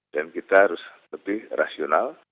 dan kita harus lebih rasional